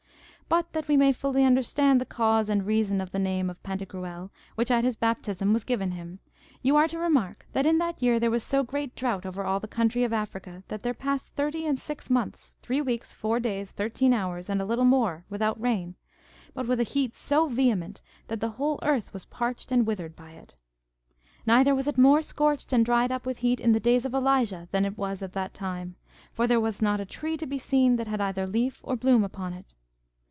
But that we may fully understand the cause and reason of the name of Pantagruel which at his baptism was given him, you are to remark that in that year there was so great drought over all the country of Africa that there passed thirty and six months, three weeks, four days, thirteen hours and a little more without rain, but with a heat so vehement that the whole earth was parched and withered by it. Neither was it more scorched and dried up with heat in the days of Elijah than it was at that time; for there was not a tree to be seen that had either leaf or bloom upon it.